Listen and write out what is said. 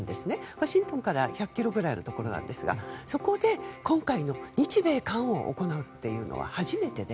ワシントンから１００ｋｍぐらいのところですがそこで日米韓を行うのは初めてで。